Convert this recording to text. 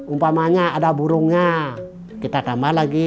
umpamanya ada burungnya kita tambah lagi